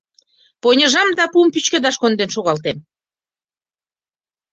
Поньыжам да пуым пӱчкедаш конден шогалтем.